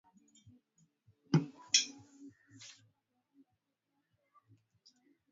na nyumbani kule wametoka hawana hela za kununua